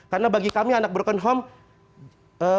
karena bagi kami anak broken home